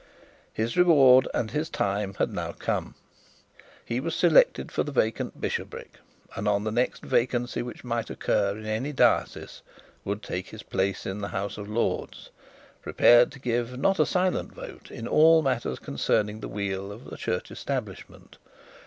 His reward and his time had now come. He was selected for the vacant bishopric, and on the next vacancy which might occur in any diocese would take his place in the House of Lords, prepared to give not a silent vote in all matters concerning the weal of the church establishment.